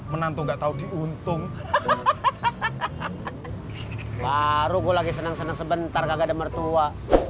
menantu nggak tahu diuntung baru gue lagi senang senang sebentar kagak ada mertua